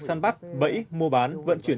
săn bắt bẫy mua bán vận chuyển